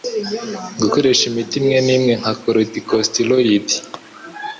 Gukoresha imiti imwe nimwe nka corticosteroids